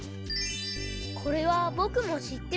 これはぼくもしってます。